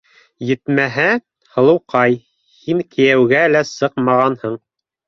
Етмәһә, һылыуҡай, һин кейәүгә лә сыҡмағанһың.